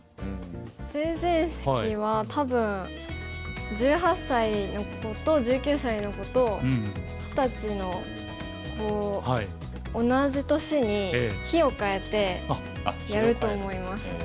成人式は多分１８歳の子と１９歳の子と二十歳の子同じ年に日を変えてやると思います。